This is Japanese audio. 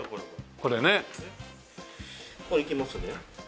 これね。いきますね。